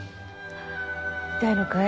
痛いのかい？